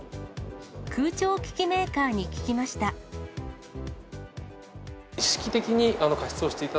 空調機器メーカーに聞きました。